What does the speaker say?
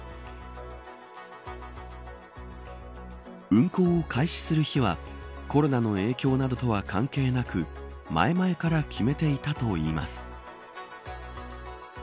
運航を開始する日はコロナの影響などとは関係なく前々から決めていたといいます。